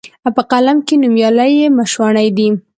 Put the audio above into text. په قلم کښي نومیالي یې مشواڼي دي